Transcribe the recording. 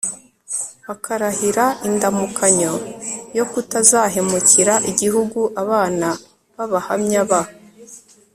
bakarahira indamukanyo yo kutazahemukira igihugu abana b Abahamya ba